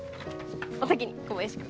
お先に小林君。